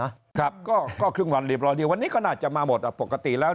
ครับก็ก็ครึ่งวันเรียบร้อยดีวันนี้ก็น่าจะมาหมดอ่ะปกติแล้ว